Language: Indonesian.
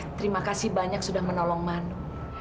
terima kasih banyak sudah menolong manu